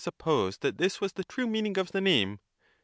suppose that this was the true meaning of the name.